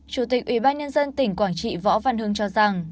chủ tịch ủy ban nhân dân tỉnh quảng trị võ văn hưng cho rằng